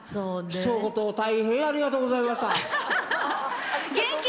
大変ありがとうございました。